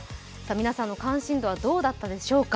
皆さんの関心度はどうだったでしょうか。